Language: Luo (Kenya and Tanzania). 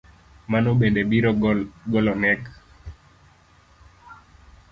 Mano bende biro goloneg